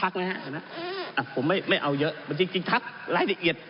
คนก็ทักนะฮะ